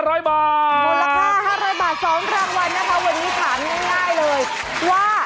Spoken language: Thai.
มูลค่า๕๐๐บาท๒รางวัลนะคะวันนี้ถามง่ายเลยว่า